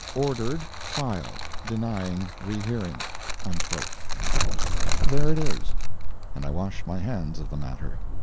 —Ordered filed, denying rehearing." There it is, and I wash my hands of the matter.